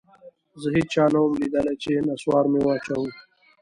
زه هېچا نه وم ليدلى چې نسوار مې واچاوه.